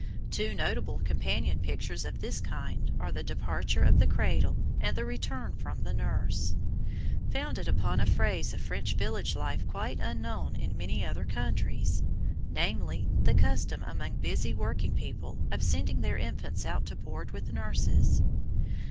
Two notable companion pictures of this kind are the Departure of the Cradle, and the Return from the Nurse, founded upon a phase of French village life quite unknown in many other countries, namely, the custom among busy working people of sending their infants out to board with nurses.